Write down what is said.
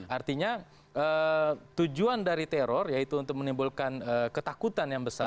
artinya tujuan dari teror yaitu untuk menimbulkan ketakutan yang besar